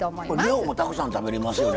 量もたくさん食べれますよね